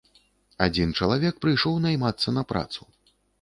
Адзін чалавек прыйшоў наймацца на працу.